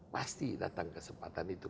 pasti datang kesempatan itu